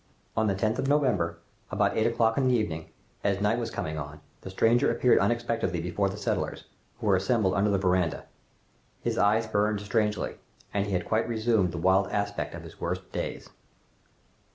On the 10th of November, about eight o'clock in the evening, as night was coming on, the stranger appeared unexpectedly before the settlers, who were assembled under the veranda. His eyes burned strangely, and he had quite resumed the wild aspect of his worst days.